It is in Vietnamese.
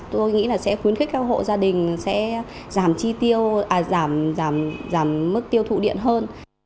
tôi nghĩ sẽ khuyến khích các hộ gia đình giảm mức tiêu thụ điện hơn